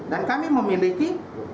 dan kami memiliki dua delapan